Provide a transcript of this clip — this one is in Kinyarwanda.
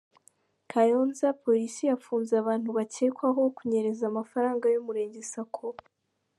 Kayonza Polisi yafunze abantu bakekwaho kunyereza amafaranga y’umurenge Sako